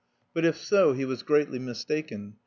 But, if so, he was greatly mistaken.